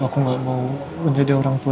aku gak mau menjadi orang tua